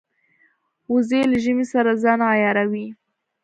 وزې له ژمې سره ځان عیاروي